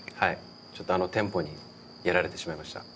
ちょっとあのテンポにやられてしまいました。